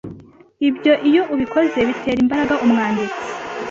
Ibyo iyo ubikoze, bitera imbaraga umwanditsi.